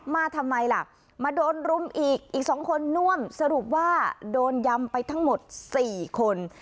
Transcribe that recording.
มาทำไมล่ะมาโดนรุมอีกอีก๒คนน่วมสรุปว่าโดนยำไปทั้งหมด๔คน